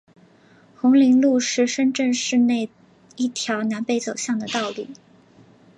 红岭路是深圳市内一条南北走向的道路。